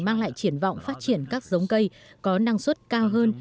mang lại triển vọng phát triển các giống cây có năng suất cao hơn